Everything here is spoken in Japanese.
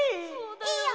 いいよ！